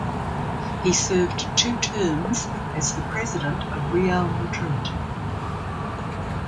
He served two terms as the President of Real Madrid.